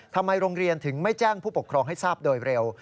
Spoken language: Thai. ทำไมโรงเรียนถึงไม่แจ้งผู้ปกครองให้ทราบโดยเร็ว